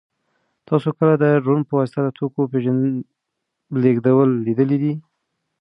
تاسو کله د ډرون په واسطه د توکو لېږدول لیدلي دي؟